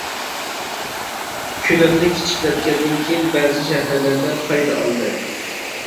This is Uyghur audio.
كۆلەمنى كىچىكلەتكەندىن كېيىن بەزى شەھەرلەردە پايدا ئالدى.